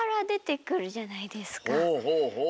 ほうほうほう。